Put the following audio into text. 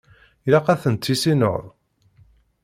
Ilaq ad ten-tissineḍ.